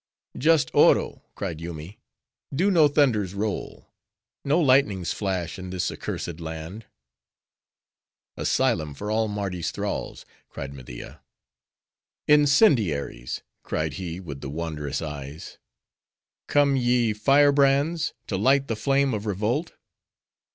"Just Oro!" cried Yoomy, "do no thunders roll,—no lightnings flash in this accursed land!" "Asylum for all Mardi's thralls!" cried Media. "Incendiaries!" cried he with the wondrous eyes, "come ye, firebrands, to light the flame of revolt?